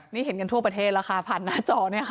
นี่เห็นกันทั่วประเทศราคา๑๐๐นาทีนี้ค่ะ